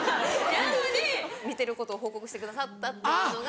なのに見てることを報告してくださったっていうのが。